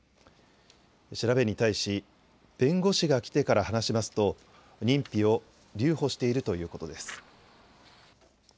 調べに対し、弁護士が来てから話しますと認否を留保しているということです。